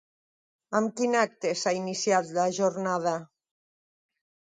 Amb quin acte s'ha iniciat la jornada?